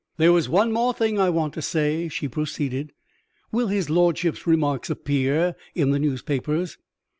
"There is one more thing I want to say," she proceeded. "Will his lordship's remarks appear in the newspapers?"